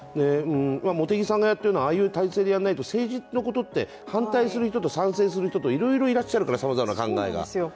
茂木さんがやっているのは、ああいう態勢でやらないと、政治のことって、賛成する人と反対する人と賛成する人といろいろいらっしゃるから、さまざまな考えが。